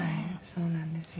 そうなんですよ。